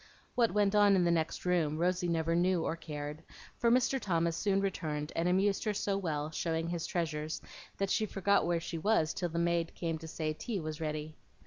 What went on in the next room Rosy never knew or cared, for Mr. Thomas soon returned, and amused her so well, showing his treasures, that she forgot where she was till the maid came to say tea was ready.